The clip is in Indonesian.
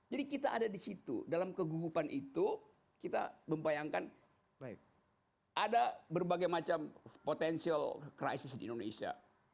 jadi kita ada di situ dalam kegugupan itu kita membayangkan ada berbagai macam potensial krisis di indonesia